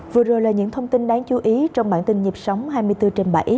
vừa rồi là những thông tin đáng chú ý trong bản tin nhịp sống hai mươi bốn trên bảy